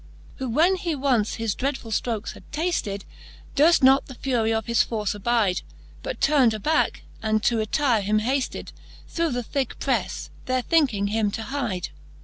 XXVIII. who, when he once his dreadfuU ftrokes had tailed, Durft not the furie of his force abyde. But turn'd abacke, and to retyre him hafted Through the thick preafe, there thinking him to hyde.